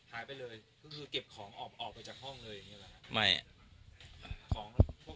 หายไปเลยก็คือเก็บของออกไปจากห้องเลยอย่างนี้แหละครับ